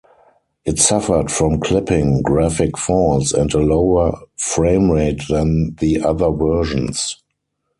It suffered from clipping, graphic faults, and a lower framerate than the other versions.